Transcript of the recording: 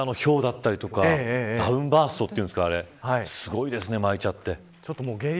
場所によってひょうだったりとかダウンバーストっていうんですかすごいですね、まいちゃって。